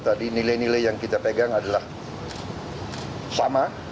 tadi nilai nilai yang kita pegang adalah sama